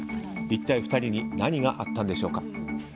一体２人に何があったんでしょうか。